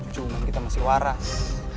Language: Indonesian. cuman kita masih waras